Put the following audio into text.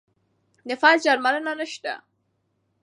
د فلج درملنه نشته.